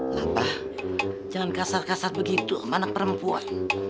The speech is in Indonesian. lampah jangan kasar kasar begitu sama anak perempuan